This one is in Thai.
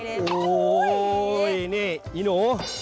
โอ้โฮนี่นี่นี่หนู